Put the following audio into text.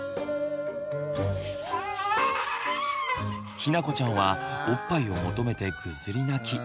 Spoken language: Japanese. ひなこちゃんはおっぱいを求めてぐずり泣き。